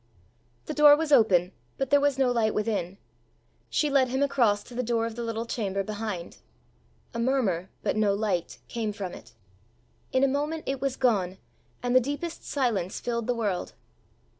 The door was open, but there was no light within. She led him across to the door of the little chamber behind. A murmur, but no light, came from it. In a moment it was gone, and the deepest silence filled the world.